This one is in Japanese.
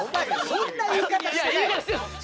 そんな言い方してない。